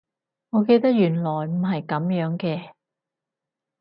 我記得原來唔係噉樣嘅